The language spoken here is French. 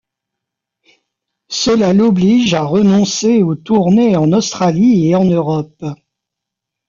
Cela l'oblige à renoncer aux tournées en Australie et en Europe.